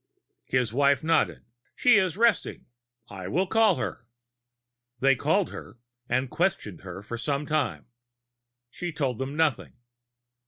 His wife nodded. "She is resting. I will call her." They called her and questioned her for some time. She told them nothing.